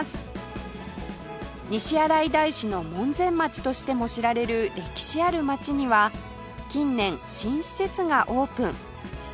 西新井大師の門前町としても知られる歴史ある街には近年新施設がオープン